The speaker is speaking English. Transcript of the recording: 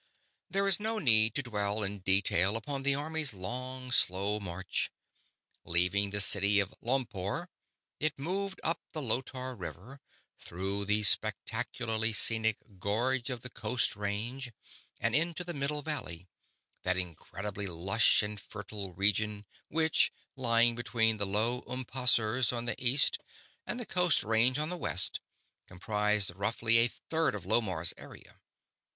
There is no need to dwell in detail upon the army's long, slow march. Leaving the city of Lompoar, it moved up the Lotar River, through the spectacularly scenic gorge of the Coast Range, and into the Middle Valley; that incredibly lush and fertile region which, lying between the Low Umpasseurs on the east and the Coast Range on the west, comprised roughly a third of Lomarr's area.